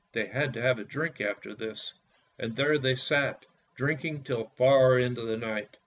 They had to have a drink after this, and there they sat drinking till far into the night.